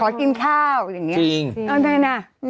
แต่วันนี้ค่ะคุณละวร